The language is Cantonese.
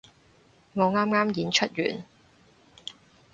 我啱啱演出完